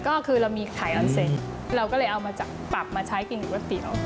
ก็คือเรามีไข่ออนเซเราก็เลยเอามาจากปรับมาใช้กินกับก๋วยเตี๋ยว